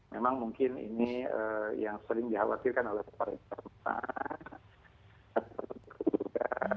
memang mungkin ini yang sering dikhawatirkan oleh para jemaah